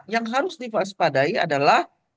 yang harus diwaspadai adalah